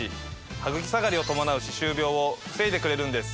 ハグキ下がりを伴う歯周病を防いでくれるんです。